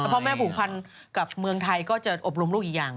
พ่อแม่ผูกพันกับเมืองไทยก็จะอบรมลูกอีกอย่าง